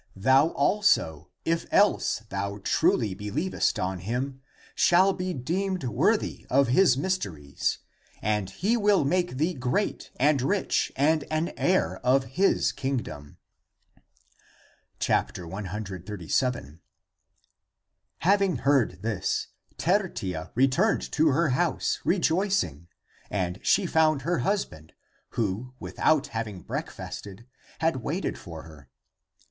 Thou also, if else thou truly believest on him shall be deemed worthy of his mys teries, and he will make thee great and rich and an heir of his Kingdom." 137. Having heard this, Tertia returned to her house rejoicing. And she found her husband, who, without having breakfasted, had waited for her.